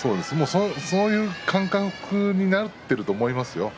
そういう感覚になっていると思いますよ。